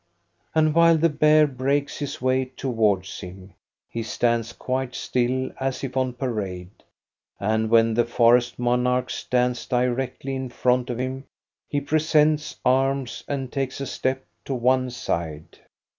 And while the bear breaks his way towards him, he stands quite still as if on parade, and when the forest monarch stands directly in front of him, he presents arms and takes a step to one side.